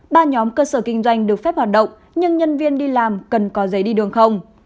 ba nhóm cơ sở kinh doanh được phép hoạt động nhưng nhân viên đi làm cần có giấy đi đường không